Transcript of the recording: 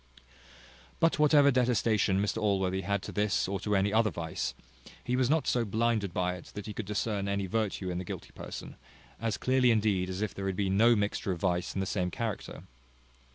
But whatever detestation Mr Allworthy had to this or to any other vice, he was not so blinded by it but that he could discern any virtue in the guilty person, as clearly indeed as if there had been no mixture of vice in the same character.